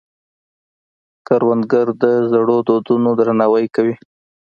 کروندګر د زړو دودونو درناوی کوي